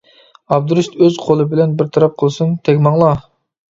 ئابدۇرېشىت ئۆز قولى بىلەن بىر تەرەپ قىلسۇن، تەگمەڭلار!